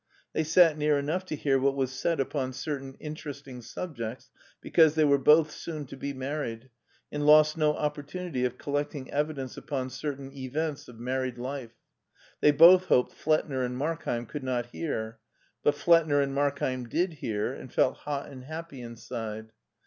They sat near enough to hear what was said upon certain interesting subjects, because they were both soon to be married and lost no opportunity of collecting evidence upon cer tain events of married life. They both hoped Flettner and Markheim could not hear; but Flettner and Mark heim did hear, and felt hot and happy inside.